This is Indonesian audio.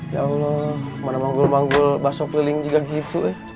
ya allah mana manggul manggul bakso keliling juga gitu ya